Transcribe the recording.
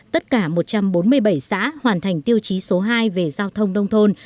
tất cả một trăm bốn mươi bảy xã hoàn thành tiêu chí số hai về giao thông nông thôn